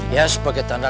ya sebagai tanda